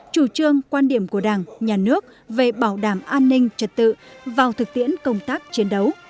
chủ trương quan điểm của đảng nhà nước về bảo đảm an ninh trật tự vào thực tiễn công tác chiến đấu